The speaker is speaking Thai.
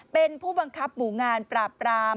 เป็นผู้บังคับหมู่งานปราบปราม